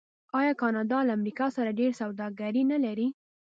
آیا کاناډا له امریکا سره ډیره سوداګري نلري؟